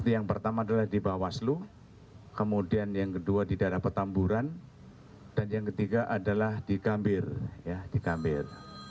yang pertama adalah di bawaslu kemudian yang kedua di daerah petamburan dan yang ketiga adalah di gambir